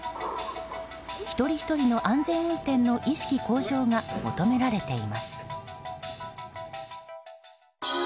一人ひとりの安全運転の意識向上が求められています。